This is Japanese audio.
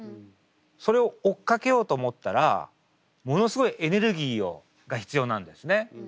それを追っかけようと思ったらものすごいエネルギーが必要なんですね。